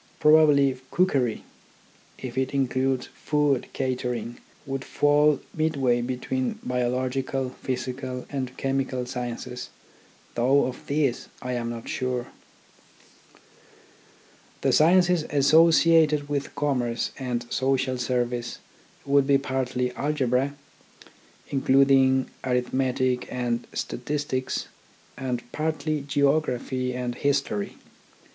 Probably cookery, if it includes food catering, would fall midway be tween biological, physical, and chemical sciences, though of this I am not sure. 52 THE ORGANISATION OF THOUGHT The sciences associated with commerce and social service would be partly algebra, including arithmetic and statistics, and partly geography and history.